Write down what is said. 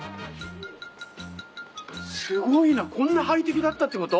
すごいなこんなハイテクだったってこと？